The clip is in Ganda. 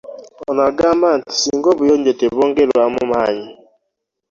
Ono agamba nti singa obuyonjo tebwongerwamu maanyi